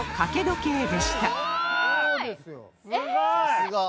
すごい。